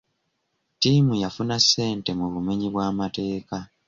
Ttimu yafuna ssente mu bumenyi bw'amateeka.